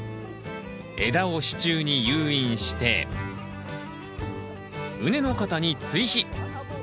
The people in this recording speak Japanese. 枝を支柱に誘引して畝の肩に追肥。